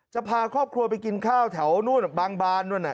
จะพาครอบครัวไปกินข้าวแถวนู่นบางบานนู่น